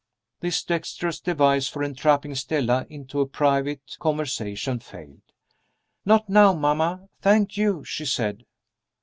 This dexterous device for entrapping Stella into a private conversation failed. "Not now, mamma, thank you," she said.